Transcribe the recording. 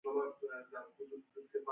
دوی د خپلو سوداګرو لپاره بازارونه غواړي